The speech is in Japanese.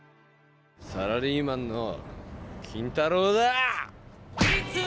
サラリーマンの金太郎だ！